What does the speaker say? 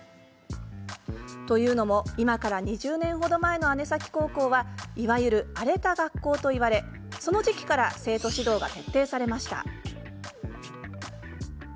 というのも今から２０年ほど前の姉崎高校はいわゆる荒れた学校といわれその時期から生徒指導が徹底されました。